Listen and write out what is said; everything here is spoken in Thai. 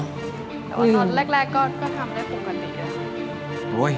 แบบตอนแรกก็ทำกายใดผมกันนี้